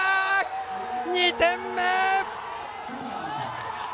２点目！